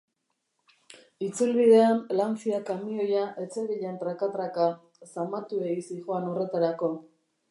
Itzulbidean Lancia kamioia ez zebilen traka-traka, zamatuegi zihoan horretarako.